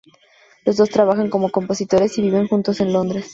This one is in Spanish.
Los dos trabajan como compositores y viven juntos en Londres.